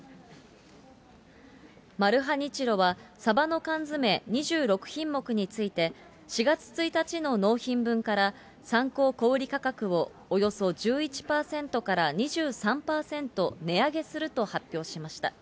マルハニチロは、サバの缶詰２６品目について、４月１日の納品分から、参考小売り価格をおよそ１１％から２３％値上げすると発表しました。